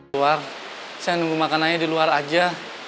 keluar saya nunggu makanannya di luar aja